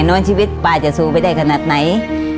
น้อยชีวิตป้าจะสู้ไปได้ขนาดไหน